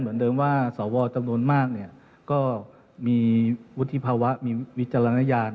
เหมือนเดิมว่าสวจำนวนมากก็มีวุฒิภาวะมีวิจารณญาณ